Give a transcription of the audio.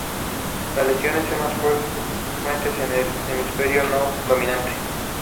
La lesión es más frecuente en el hemisferio no dominante.